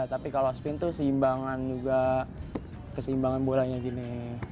tapi kalau spin itu seimbangan juga keseimbangan bolanya gini